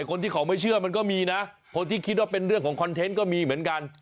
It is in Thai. คนที่เขาไม่เชื่อมันก็มีนะคนที่คิดว่าเป็นเรื่องของคอนเทนต์ก็มีเหมือนกัน